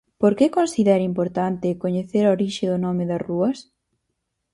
Por que considera importante coñecer a orixe do nome das rúas?